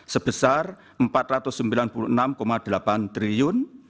sebesar rp empat ratus sembilan puluh enam delapan triliun